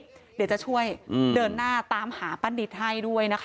เดี๋ยวจะช่วยเดินหน้าตามหาป้านิตให้ด้วยนะคะ